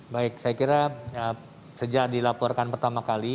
baik saya kira sejak dilaporkan pertama kali